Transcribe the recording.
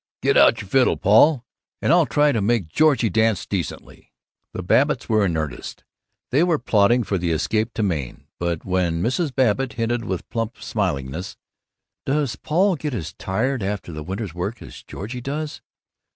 Get out your fiddle, Paul, and I'll try to make Georgie dance decently." The Babbitts were in earnest. They were plotting for the escape to Maine. But when Mrs. Babbitt hinted with plump smilingness, "Does Paul get as tired after the winter's work as Georgie does?"